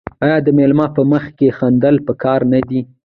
آیا د میلمه په مخ کې خندل پکار نه دي؟